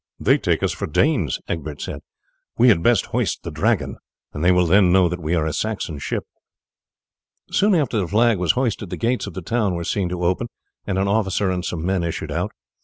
"They take us for Danes," Egbert said. "We had best hoist the Dragon, and they will then know that we are a Saxon ship." Soon after the flag was hoisted the gates of the town were seen to open, and an officer and some men issued out.